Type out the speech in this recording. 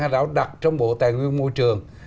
hải đảo đặt trong bộ tài nguyên môi trường